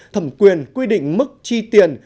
thẩm quyền quy định mức chi tiền